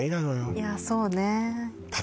いやそうね